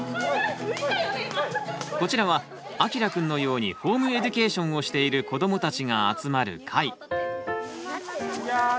こちらはあきらくんのようにホームエデュケーションをしている子どもたちが集まる会。